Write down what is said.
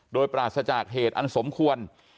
โดยปราศจากเหตุอันสมควร